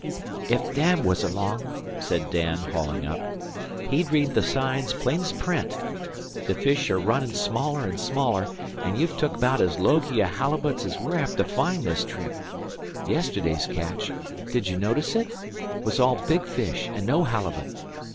"Ef Dad was along," said Dan, hauling up, "he'd read the signs plain's print. The fish are runnin' smaller an' smaller, an' you've took 'baout as logy a halibut's we're apt to find this trip. Yesterday's catch did ye notice it? was all big fish an' no halibut.